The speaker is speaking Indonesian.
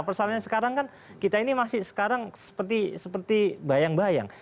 persoalannya sekarang kan kita ini masih sekarang seperti bayang bayang